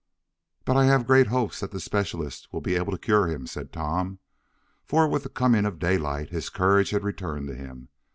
"But I have great hopes that the specialist will be able to cure him," said Tom, for, with the coming of daylight, his courage had returned to him.